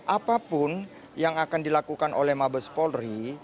apapun yang akan dilakukan oleh mabes polri